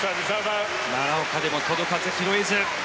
奈良岡でも届かず拾えず。